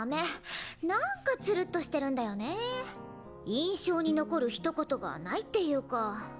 印象に残る一言がないっていうか。